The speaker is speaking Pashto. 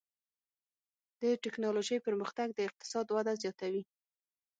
د ټکنالوجۍ پرمختګ د اقتصاد وده زیاتوي.